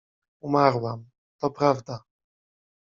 — Umarłam… to prawda.